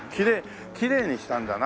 きれいにしたんだな